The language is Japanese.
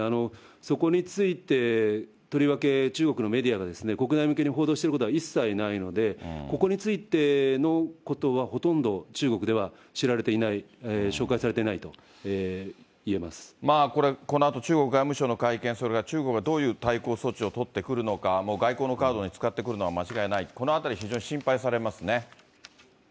そこについてとりわけ中国のメディアが、国内向けに報道していることは一切ないので、ここについてのことは、ほとんど中国では知られていない、これ、このあと中国外務省の会見、それから中国がどういう対抗措置を取ってくるのか、外交のカードに使ってくるのは間違いない、このあたり非常に心配されますね。